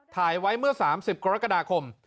ถ่ายไว้เมื่อ๓๐กรกฎาคม